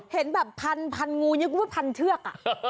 เห็นแบบพันงูยังไม่พันเทือก